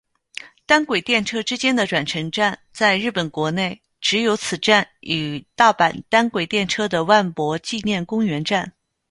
单轨电车之间的转乘站在日本国内只有此站与大阪单轨电车的万博纪念公园站。